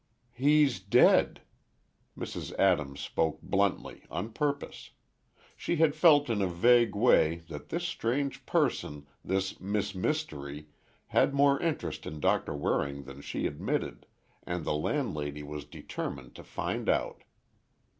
"He's dead." Mrs. Adams spoke bluntly on purpose. She had felt in a vague way, that this strange person, this Miss Mystery, had more interest in Doctor Waring than she admitted, and the landlady was determined to find out.